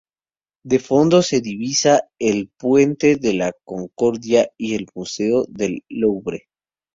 De fondo se divisa el Puente de la Concordia y el Museo del Louvre.